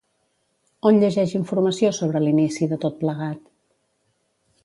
On llegeix informació sobre l'inici de tot plegat?